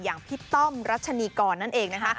อย่างพี่ต้อมรัชนีกรนั่นเองนะคะ